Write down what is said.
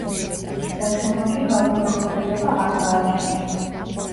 ხერხემალში გავის განყოფილება არ გააჩნიათ.